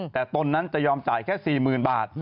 แต่ตนนั้นจะยอมจ่ายแค่๔๐๐๐บาท